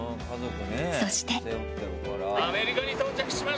そして。